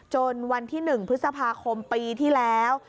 จนวันที่หนึ่งพฤษภาคมปีที่แล้ว